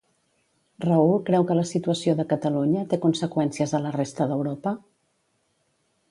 Raül creu que la situació de Catalunya té conseqüències a la resta d'Europa?